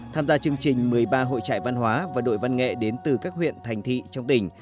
tham gia chương trình một mươi ba hội trại văn hóa và đội văn nghệ đến từ các huyện thành thị trong tỉnh